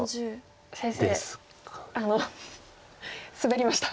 先生あのスベりました。